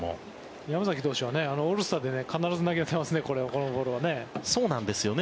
山崎投手はオールスターで必ず投げてますねそうなんですよね。